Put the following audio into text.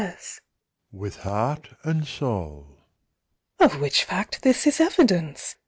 _ Of which fact this is evidence!